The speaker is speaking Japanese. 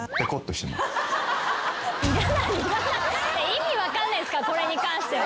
意味分かんないですからこれに関しては。